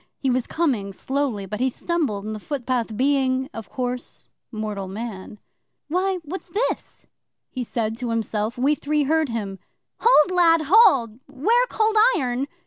'He was coming slowly, but he stumbled in the footpath, being, of course, mortal man. '"Why, what's this?" he said to himself. We three heard him. '"Hold, lad, hold! 'Ware Cold Iron!"